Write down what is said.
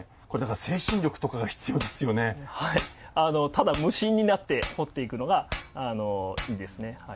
ただ無心になって彫っていくのがいいですね。